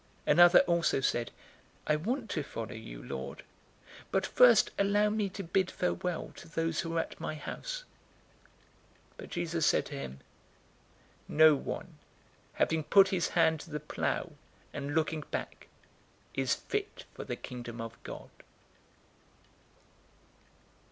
009:061 Another also said, "I want to follow you, Lord, but first allow me to bid farewell to those who are at my house." 009:062 But Jesus said to him, "No one, having put his hand to the plow, and looking back, is fit for the Kingdom of God."